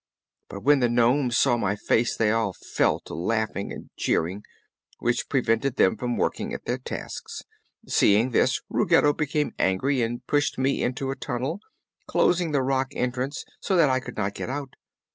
But when the nomes saw my face they all fell to laughing and jeering, which prevented them from working at their tasks. Seeing this, Ruggedo became angry and pushed me into a tunnel, closing the rock entrance so that I could not get out.